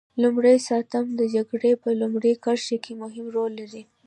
لومری ساتنمن د جګړې په لومړۍ کرښه کې مهم رول لري.